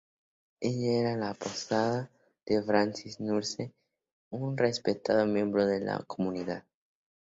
Ella era la esposa de Francis Nurse, un respetado miembro de la comunidad.